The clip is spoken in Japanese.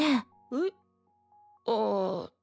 えっ？ああ。